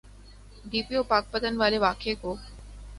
D P O Pakpattan والے واقعے کو۔